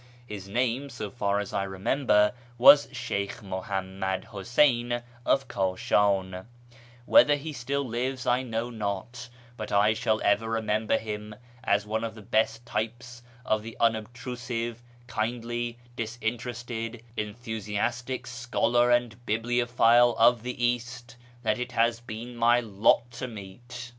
His name, so far as I remember, was Slieykh Muhammad Huseyn of Kashan, Whether he still lives I know not ; but I shall ever remember him as one of the best types of the unobtrusive, kindly, disinterested, enthusiastic scholar and bibliophile of the East that it has been my lot to meet.